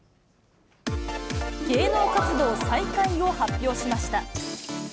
芸能活動再開を発表しました。